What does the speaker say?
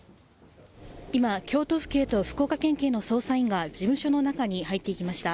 今、京都府警と福岡県警の捜査員が事務所の中に入っていきました。